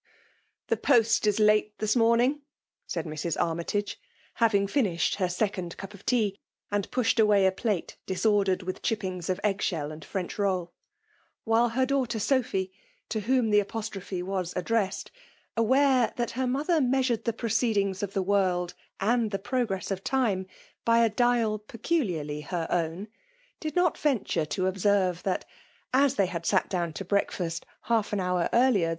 "The post is late this morning!*' said Mrs. Armytage, having finished her second cup of tea, and pushed away a plate disordered with chippings of egg shell and French roll ; while her daughter Sophy, to whom the apostrophe was addressed, aware that her mother mea sured the proceedings of the world, and the progress of time, by a dial peculiarly her own, did not venture to observe that, as they had sat down to breakfast half an hour earlier VOL.